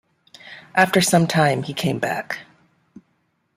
After some time he came back.